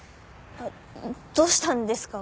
どうしたんですか？